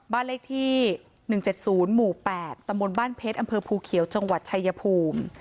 บ้านเลขที่๑๗๐หมู่๘ตำบลบ้านเพชรอำเภอภูเขียวจังหวัดชายภูมิ